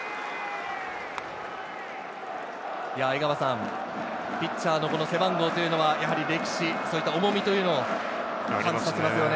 江川さん、ピッチャーの背番号というのは、やはり歴史、そういった重みというのは感じさせますよね。